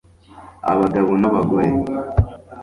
Abagabo n abagore